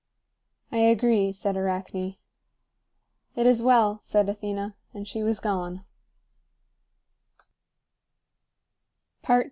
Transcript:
"I agree," said Arachne. "It is well," said Athena. And she was gone.